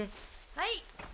はい。